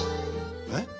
えっ？